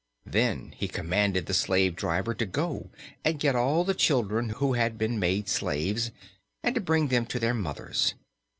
Then he commanded the slave driver to go and get all the children who had been made slaves, and to bring them to their mothers.